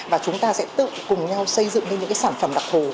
và chúng ta sẽ tự cùng nhau xây dựng lên những sản phẩm đặc thù